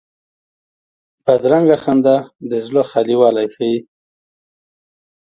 بدرنګه خندا د زړه خالي والی ښيي